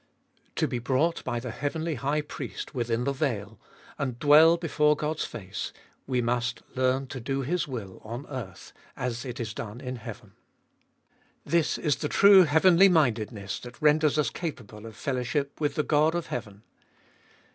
To be brought by the heavenly High Priest within the veil, and dwell before God's face, we must learn to do His will on earth as it is done in heaven. This is the true heavenly mindedness that renders us capable of fellow ship with the God of heaven.